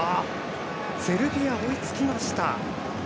セルビア、追いつきました。